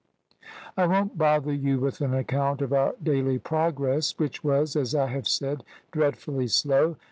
"I won't bother you with an account of our daily progress, which was as I have said, dreadfully slow.